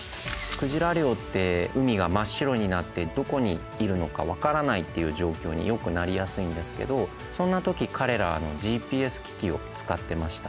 クジラ漁って海が真っ白になってどこにいるのか分からないっていう状況によくなりやすいんですけどそんな時かれらＧＰＳ機器を使ってました。